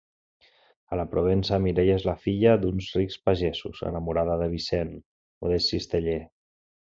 A la Provença, Mireia és la filla d'uns rics pagesos, enamorada de Vicent, modest cisteller.